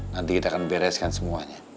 nanti kita akan bereskan semuanya